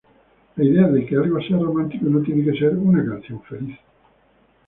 La idea de que algo sea romántico, no tiene que ser una canción feliz.